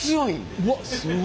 うわっ。